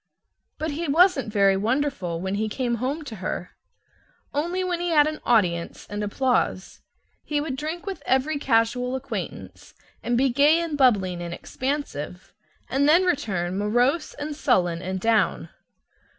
But he wasn't very wonderful when he came home to her only when he had an audience and applause. He would drink with every casual acquaintance, and be gay and bubbling and expansive; and then return morose and sullen and down.